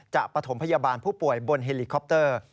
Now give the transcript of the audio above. ปฐมพยาบาลผู้ป่วยบนเฮลิคอปเตอร์